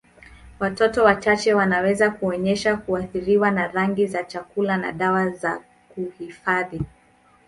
Watoto wachache wanaweza kuonyesha kuathiriwa na rangi za chakula na dawa za kuhifadhi.